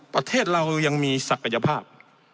ประเทศเรายังมีศักยภาพ